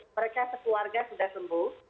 mereka sekeluarga sudah sembuh